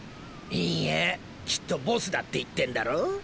いいえきっとボスだって言ってんだろ？